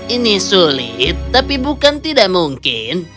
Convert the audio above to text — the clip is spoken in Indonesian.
ini sulit tapi bukan tidak mungkin